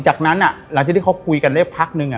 จากนั้นหลังจากที่เขาคุยกันได้พักนึง